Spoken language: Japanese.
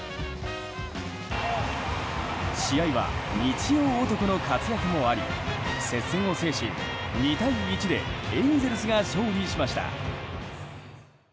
試合は日曜男の活躍もあり接戦を制し２対１でエンゼルスが勝利しました。